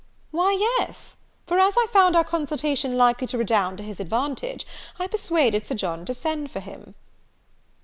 "Why, yes; for, as I found our consultation likely to redound to his advantage, I persuaded Sir John to send for him."